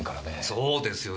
そうですよ。